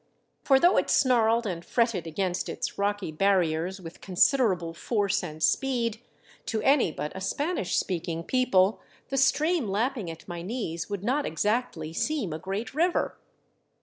For though it snarled and fretted against its rocky barriers with considerable force and speed, to any but a Spanish speaking people the stream lapping at my knees would not exactly seem a great river.